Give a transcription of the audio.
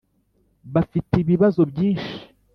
bafite ibibazo byinshi